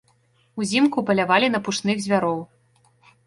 Узімку палявалі на пушных звяроў.